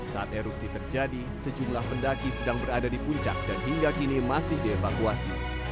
saat erupsi terjadi sejumlah pendaki sedang berada di puncak dan hingga kini masih dievakuasi